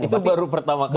itu baru pertama kali